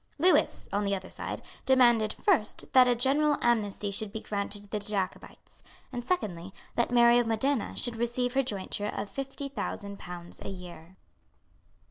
Lewis, on the other side, demanded, first, that a general amnesty should be granted to the Jacobites; and secondly, that Mary of Modena should receive her jointure of fifty thousand pounds a year.